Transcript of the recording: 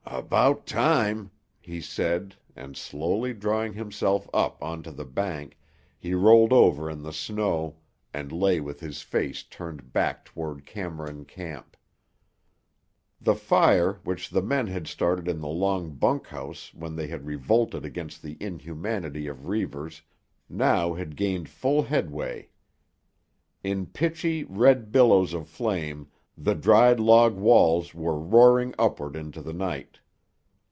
"About time," he said and, slowly drawing himself up onto the bank, he rolled over in the snow and lay with his face turned back toward Cameron Camp. The fire which the men had started in the long bunk house when they had revolted against the inhumanity of Reivers now had gained full headway. In pitchy, red billows of flame the dried log walls were roaring upward into the night.